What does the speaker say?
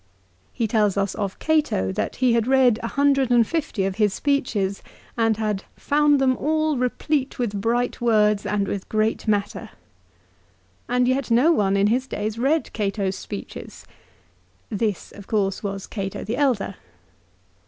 1 He tells us of Cato, that he had read a hundred and fifty of his speeches and had "found them all replete with bright words and with great matter ;"" and yet no one in his days read Cato's speeches!" 2 This of couise was Cato the elder.